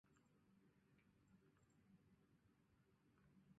目前地表上最大的淡水湖则是北美洲五大湖区的苏必略湖。